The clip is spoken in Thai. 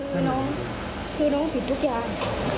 คือน้องคือน้องผิดทุกอย่าง